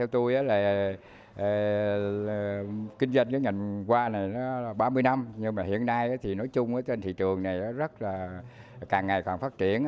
nó là ba mươi năm nhưng mà hiện nay thì nói chung trên thị trường này rất là càng ngày càng phát triển